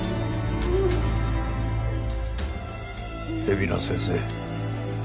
海老名先生。